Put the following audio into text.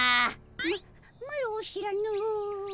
ママロ知らぬ。